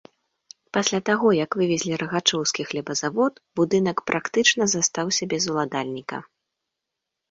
Пасля таго, як вывезлі рагачоўскі хлебазавод, будынак практычна застаўся без уладальніка.